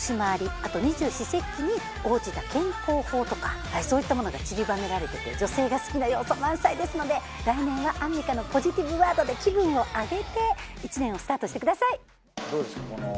あと二十四節気に応じた健康法とかはいそういったものが散りばめられてて女性が好きな要素満載ですので来年はアンミカのポジティブワードで気分を上げて１年をスタートしてください